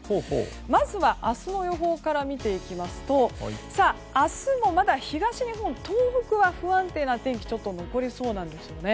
まずは、明日の予報から見ていきますと明日もまだ東日本、東北は不安定な天気がちょっと残りそうなんです。